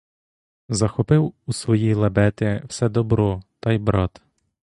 Захопив у свої лабети все добро та й брат!